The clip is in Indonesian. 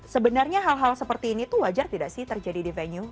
sebenarnya hal hal seperti ini tuh wajar tidak sih terjadi di venue